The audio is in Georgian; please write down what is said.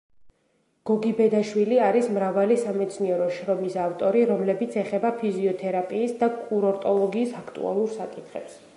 გოგიბედაშვილი არის მრავალი სამეცნიერო შრომის ავტორი, რომლებიც ეხება ფიზიოთერაპიის და კურორტოლოგიის აქტუალურ საკითხებს.